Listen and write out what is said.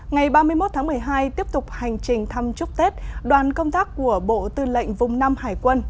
ngày ba mươi một tháng một mươi hai tiếp tục hành trình thăm chúc tết đoàn công tác của bộ tư lệnh vùng năm hải quân